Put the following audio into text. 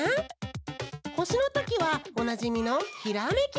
ほしのときはおなじみのひらめきのポーズ！